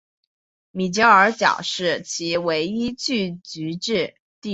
米歇尔角是其唯一聚居地。